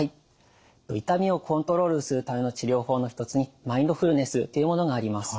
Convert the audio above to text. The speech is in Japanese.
痛みをコントロールするための治療法の一つにマインドフルネスというものがあります。